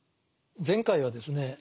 前回はですね